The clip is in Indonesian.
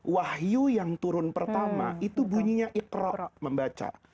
wahyu yang turun pertama itu bunyinya ikrar membaca